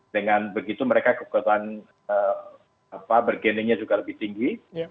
dengan begitu mereka kekuatan bergeningnya juga lebih tinggi